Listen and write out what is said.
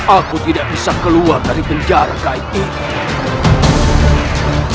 aku tidak bisa keluar dari penjara itu